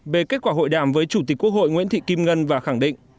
về kết quả hội đàm với chủ tịch quốc hội nguyễn thị kim ngân và khẳng định